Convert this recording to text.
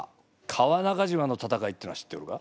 川中島の戦いっていうのは知っておるか？